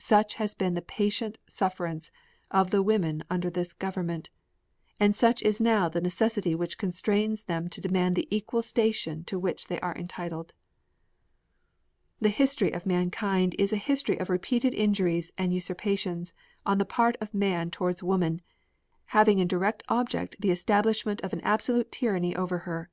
Such has been the patient sufferance of the women under this government, and such is now the necessity which constrains them to demand the equal station to which they are entitled. The history of mankind is a history of repeated injuries and usurpations on the part of man towards woman, having in direct object the establishment of an absolute tyranny over her.